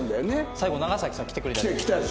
最後長さん来てくれた。